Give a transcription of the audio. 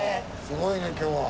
すごいね今日は。